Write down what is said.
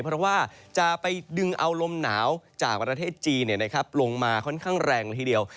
เพราะว่าจะไปดึงเอาลมหนาวจากประเทศจีนลงมาค่อนข้างแรงละทีเดียว